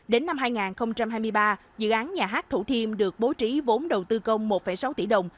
đến năm hai nghìn hai mươi ba dự án nhà hát thủ thiêm được bố trí vốn đầu tư công một sáu tỷ đồng